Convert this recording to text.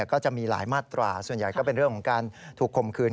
ก็จะมีหลายมาตราส่วนใหญ่ก็เป็นเรื่องของการถูกคมคืน